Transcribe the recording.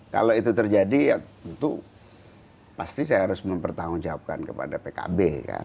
kalau itu terjadi ya tentu pasti saya harus mempertanggungjawabkan kepada pkb